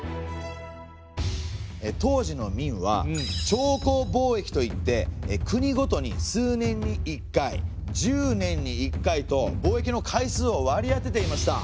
当時の明は朝貢貿易といって国ごとに数年に１回１０年に１回と貿易の回数を割り当てていました。